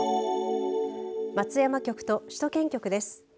松山局と首都圏局です。